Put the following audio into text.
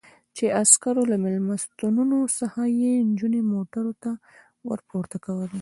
چې د عسکرو له مېلمستونونو څخه یې نجونې موټرونو ته ور پورته کولې.